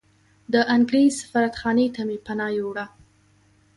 د انګریز سفارتخانې ته مې پناه یووړه.